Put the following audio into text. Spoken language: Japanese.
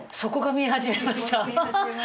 見え始めました。